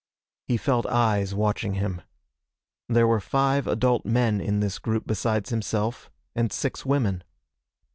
He felt eyes watching him. There were five adult men in this group besides himself, and six women.